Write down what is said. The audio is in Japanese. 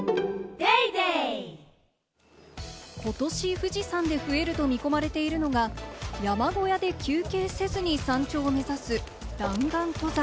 富士山で増えると見込まれているのが、山小屋で休憩せずに山頂を目指す弾丸登山。